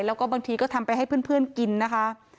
แล้วก็บางทีก็ทำไปให้เพื่อนกินนะคะ